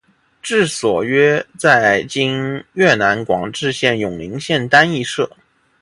治所约在今越南广治省永灵县丹裔社。